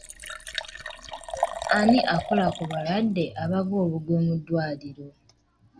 Ani akola ku balwadde abagwa obugwi mu ddwaliro?